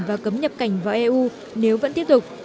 và cấm nhập cảnh vào eu nếu vẫn tiếp tục